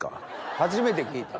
初めて聞いた。